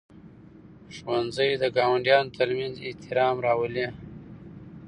ښوونځي د ګاونډیانو ترمنځ احترام راولي.